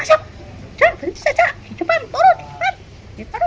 udah gak bisa masuk